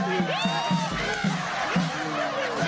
อี